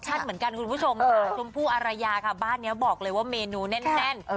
หรือบ้านนี้บอกเลยว่าเมนูแน่น